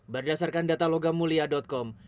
berdasarkan data logamulia com